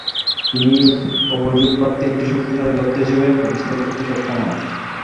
তিনি উপযোগবাদকে একটি শক্তিশালী তত্ত্ব হিসেবে প্রতিষ্ঠিত করতে সক্ষম হন।